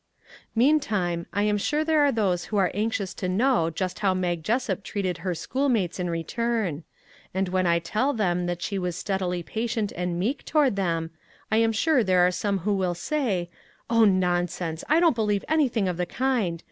Meantime, I am sure there are those who are anxious to know just how Mag Jessup treated her schoolmates in return; and when I tell them that she was steadily patient and meek toward them, I am sure there are some who will say :" Oh, nonsense ! I don't believe any thing of the kind.